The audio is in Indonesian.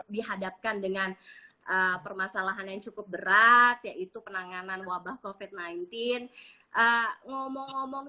dihadapkan dengan permasalahan yang cukup berat yaitu penanganan wabah covid sembilan belas ngomong ngomong